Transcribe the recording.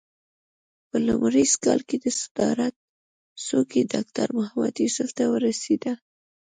په لمریز کال کې د صدارت څوکۍ ډاکټر محمد یوسف ته ورسېده.